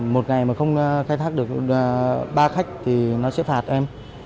một ngày mà không khai thác được ba khách thì nó sẽ phạt em